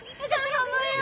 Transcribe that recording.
頼むよ。